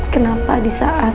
kenapa di saat